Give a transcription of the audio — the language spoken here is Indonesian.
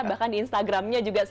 bahkan di instagramnya juga sering nih